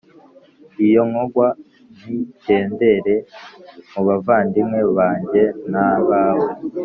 Iyo nkongwa nikendere mu bavandimwe banjye nabawe